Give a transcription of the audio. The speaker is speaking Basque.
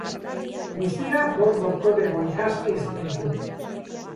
Guztira, bost doktorego-ikasle izan ditu.